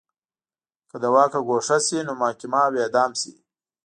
که له واکه ګوښه شي نو محاکمه او اعدام شي